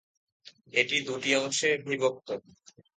এটি দুটি অংশে বিভক্ত।